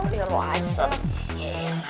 biar lo aja lah